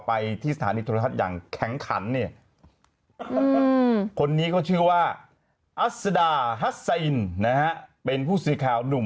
ไปที่สถานีทุรทัศน์อย่างแข่งขัน